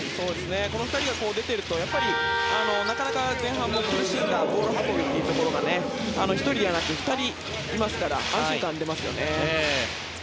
この２人が出ているとなかなか前半に苦しんだボール運びというところが１人ではなく２人いますから安心感が出ますよね。